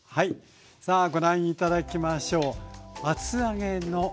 さあご覧頂きましょう。